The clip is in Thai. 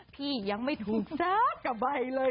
พี่ยังไม่ถูกฆ่ากะใบเลย